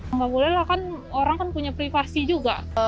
nggak boleh lah kan orang kan punya privasi juga